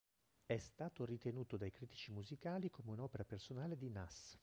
È stato ritenuto dai critici musicali come un'opera personale di Nas.